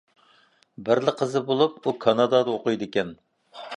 بىرلا قىزى بولۇپ، ئۇ كانادادا ئوقۇيدىكەن.